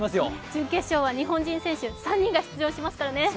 準決勝は日本人選手３人が出場しますからね。